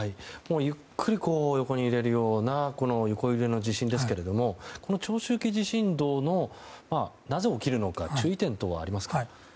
ゆっくり横に揺れるような横揺れの地震ですけれどもこの長周期地震動がなぜ起きるのか注意点等はありますか？